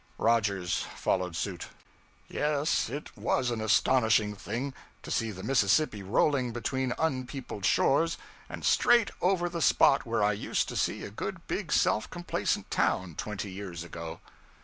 Rogers followed suit. Yes, it was an astonishing thing to see the Mississippi rolling between unpeopled shores and straight over the spot where I used to see a good big self complacent town twenty years ago.